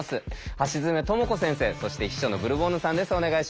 橋爪智子先生そして秘書のブルボンヌさんです。